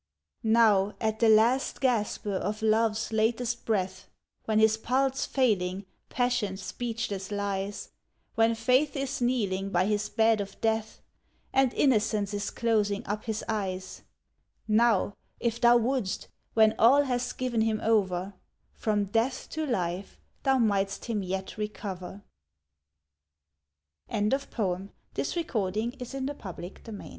Now at the last gaspe of Love's latest breath When, his pulse failing, Passion speechless lies; When Faith is kneeling by his bed of death, And Innocence is closing up his eyes, Now! if thou wouldst when all have given him over From death to life thou mightst him yet recover. MICHAEL DRAYTON. FAREWELL! THOU ART TOO DEAR. SONNET LXXXVII.